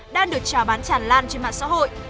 đang được trào bán tràn lan trên mạng xã hội